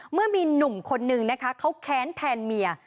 เมื่อมีหนุ่มคนนึงนะคะเขาแค้นแทนเมีย